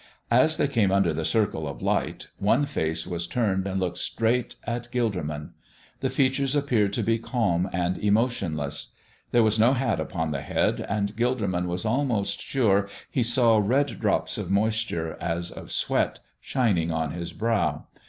As they came under the circle of light one face was turned and looked straight at Gilderman. The features appeared to be calm and emotionless. There was no hat upon the head, and Gilderman was almost sure he saw red drops of moisture, as of sweat, shining on His brow.